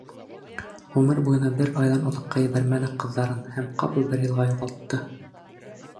Ғүмер буйына бер айҙан оҙаҡҡа ебәрмәне ҡыҙҙарын һәм ҡапыл бер йылға юғалтты!